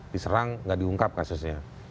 diserang nggak diungkap kasusnya